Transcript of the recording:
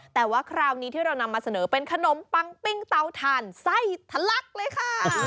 แต่ว่าคราวนี้ที่เรานำมาเสนอเป็นขนมปังปิ้งเตาถ่านไส้ทะลักเลยค่ะ